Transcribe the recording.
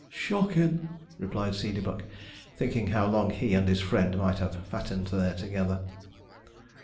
'Shockin',' replied Seedeybuck, thinking how long he and his friend might have fattened there together.